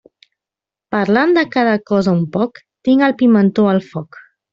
Parlant de cada cosa un poc, tinc el pimentó al foc.